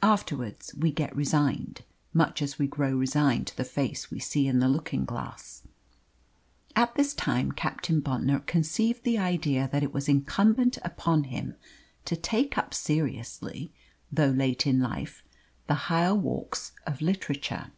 Afterwards we get resigned much as we grow resigned to the face we see in the looking glass. At this time Captain Bontnor conceived the idea that it was incumbent upon him to take up seriously, though late in life, the higher walks of literature.